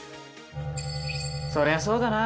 そりゃそうだな。